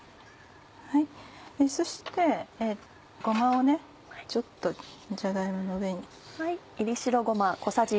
そしてごまをちょっとじゃが芋の上に。